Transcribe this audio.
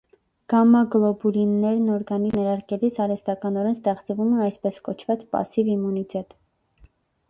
Գամմա գլոբուլիններն օրգանիզմ ներարկելիս արհեստականորեն ստեղծվում է, այսպես կոչված, պասիվ իմունիտետ։